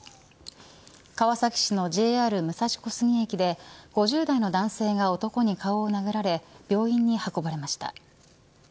川崎市のＪＲ武蔵小杉駅で５０代の男性が男に顔を殴られ病院に運ばれました。